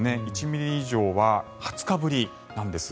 １ミリ以上は２０日ぶりなんです。